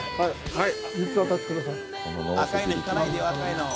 はい。